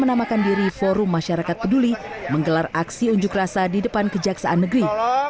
menamakan diri forum masyarakat peduli menggelar aksi unjuk rasa di depan kejaksaan negeri